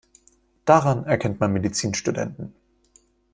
Daran erkennt man Medizinstudenten.